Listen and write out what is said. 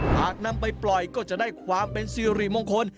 หากนำไปปล่อยก็จะได้ความเป็นสิริมงคล